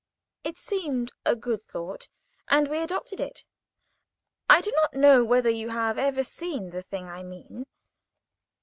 It seemed a good thought, and we adopted it. I do not know whether you have ever seen the thing I mean.